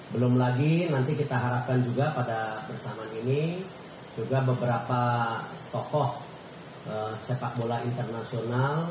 dan lagi nanti kita harapkan juga pada persamaan ini juga beberapa tokoh sepak bola internasional